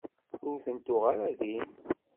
Ur ten-tuɣ ara din.